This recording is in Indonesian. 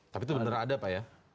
tapi itu benar ada pak ya